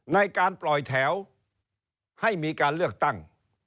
ในการปล่อยแถวให้มีการเลือกตั้ง